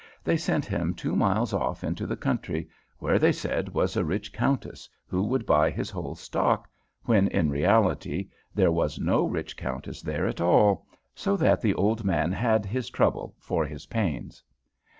They sent him two miles off into the country, where, they said, was a rich countess, who would buy his whole stock, when in reality there was no rich countess there at all, so that the old man had his trouble for his pains.